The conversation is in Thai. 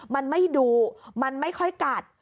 มันไม่ดูมันไม่ค่อยกัด